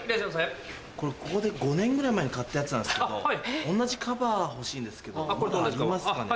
これここで５年ぐらい前に買ったやつなんですけど同じカバー欲しいんですけどまだありますかね？